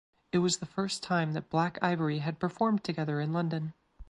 It was the first time that Black Ivory had performed together in London.